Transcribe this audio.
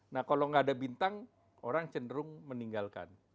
nah kalau nggak ada bintang orang cenderung meninggalkan